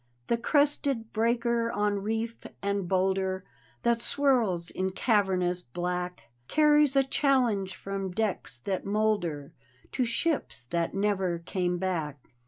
The crested breaker on reef and boulder That swirls in cavernous black, Carries a challenge from decks that moulder To ships that never came back.